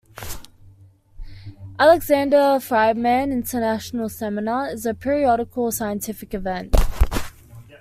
Alexander Friedmann International Seminar is a periodical scientific event.